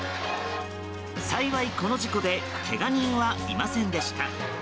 幸いこの事故でけが人はいませんでした。